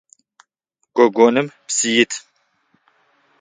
Гогоным псы ит.